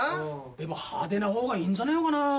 でも派手なほうがいいんじゃねえのかな？